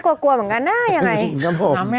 กลัวเหมือนกันน่ะยังไง